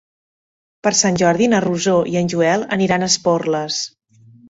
Per Sant Jordi na Rosó i en Joel aniran a Esporles.